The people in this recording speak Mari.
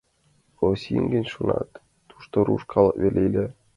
Россий гын, шонат, тушто руш калык веле ила.